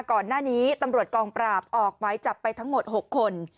ก่อนหน้านี้ตำรวจกองปราบออกไม้จับไปทั้งหมด๖คน